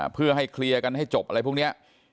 เพื่อให้เคลียร์กันให้จบอะไรพวกนี้